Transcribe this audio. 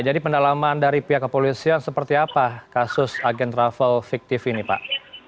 jadi pendalaman dari pihak kepolisian seperti apa kasus agen travel fiktif ini pak